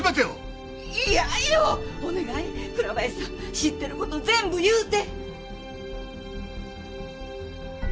知ってる事全部言うて！